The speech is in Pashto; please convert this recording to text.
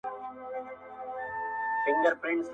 چی هر لوري ته یې مخ سي موږ منلی-